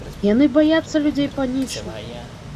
Яны баяцца людзей панічна.